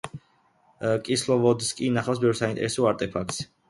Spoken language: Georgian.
კისლოვოდსკი ინახავს ბევრ საინტერესო არტეფაქტს.